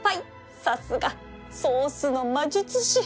さすがソースの魔術師